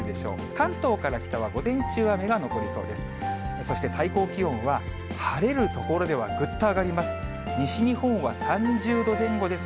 関東から北は午前中、雨が残りそうです。